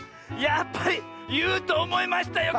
やっぱりいうとおもいましたよ